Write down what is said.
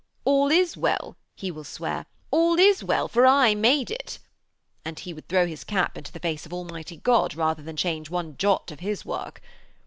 "All is well," he will swear. "All is well, for I made it" and he would throw his cap into the face of Almighty God rather than change one jot of his work.